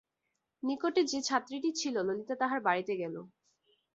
নিকটে যে ছাত্রীটি ছিল ললিতা তাহার বাড়িতে গেল।